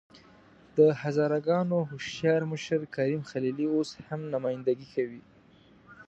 د هزاره ګانو هوښیار مشر کریم خلیلي اوس هم نمايندګي کوي.